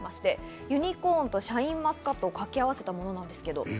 ユニコーンとシャインマスカットを掛け合わせたものです。